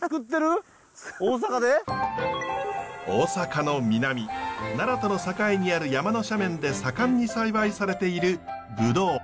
大阪の南奈良との境にある山の斜面で盛んに栽培されているブドウ。